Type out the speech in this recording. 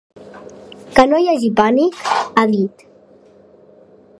Que no hi hagi pànic, ha dit.